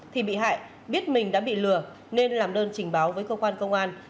thì bị hại biết mình đã bị lừa nên làm đơn trình báo với cơ quan công an